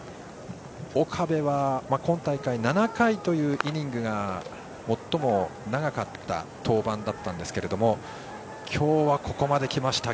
岡部は今大会７回というイニングが最も長かった登板だったんですが今日はここまできました